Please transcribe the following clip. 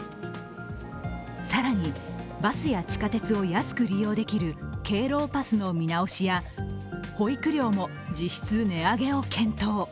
更に、バスや地下鉄を安く利用できる敬老パスの見直しや保育料も実質、値上げを検討。